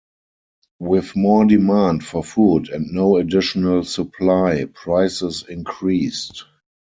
With more demand for food and no additional supply, prices increased.